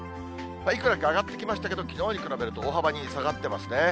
いくらか上がってきましたけれども、きのうに比べると大幅に下がってますね。